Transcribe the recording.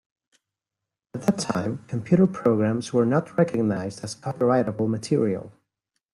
At that time, computer programs were not recognized as copyrightable material.